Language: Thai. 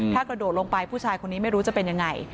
ถ้ากระโดดลงไปผู้ชายคนนี้ไม่รู้จะเป็นยังไง